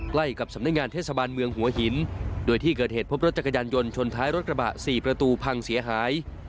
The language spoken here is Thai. ใกล้กับสำนักงานเทศบาลเมืองหัวหินโดยที่เกิดเหตุพบรถจักรยานยนต์ชนท้ายรถกระบะ๔ประตูพังเสียหาย